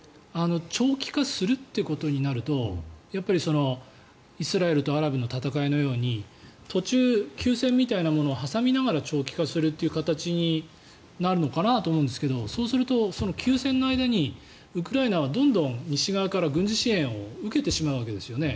長期化するということになるとやっぱりイスラエルとアラブの戦いのように途中、休戦みたいなものを挟みながら長期化するという形になるのかなと思いますがそうすると、休戦の間にウクライナはどんどん西側から軍事支援を受けてしまうわけですよね。